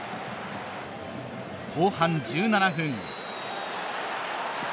後半１７分。